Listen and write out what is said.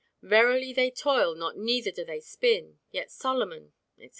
"Verily they toil not neither do they spin; yet Solomon," etc.